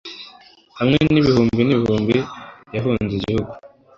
hamwe n'ibihumbi n'ibihumbi, yahunze igihugu